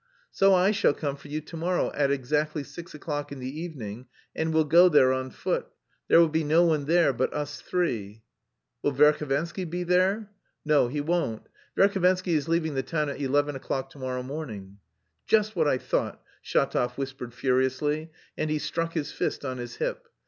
"So I shall come for you to morrow at exactly six o'clock in the evening, and we'll go there on foot. There will be no one there but us three." "Will Verhovensky be there?" "No, he won't. Verhovensky is leaving the town at eleven o'clock to morrow morning." "Just what I thought!" Shatov whispered furiously, and he struck his fist on his hip.